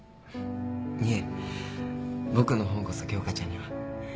いえ僕の方こそ京花ちゃんには。